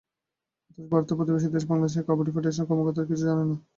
অথচ ভারতের প্রতিবেশী দেশ বাংলাদেশের কাবাডি ফেডারেশনের কর্মকর্তারা কিছুই জানেন না।